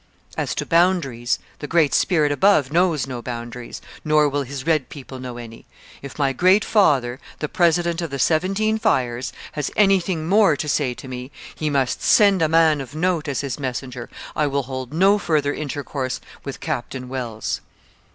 As to boundaries, the Great Spirit above knows no boundaries, nor will His red people know any... If my great father, the President of the Seventeen Fires, has anything more to say to me, he must send a man of note as his messenger; I will hold no further intercourse with Captain Wells.